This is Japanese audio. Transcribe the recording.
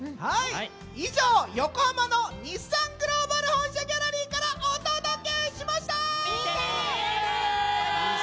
以上、横浜の日産グローバル本社ギャラリーからお届けしました。